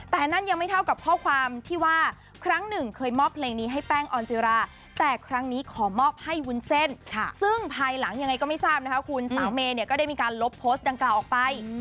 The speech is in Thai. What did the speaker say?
แต่นั่นยังไม่เท่ากับข้อความที่ว่าครั้งหนึ่งเคยมอบเพลงนี้ให้แป้งออนจิราแต่ครั้งนี้ขอมอบให้วุ้นเส้นซึ่งภายหลังยังไงก็ไม่ทราบนะคะคุณสาวเมย์เนี่ยก็ได้มีการลบโพสต์ดังกล่าวออกไป